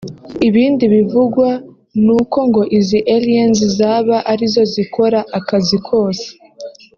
Ibindi bivugwa ni uko ngo izi Aliens zaba arizo zikora akazi kose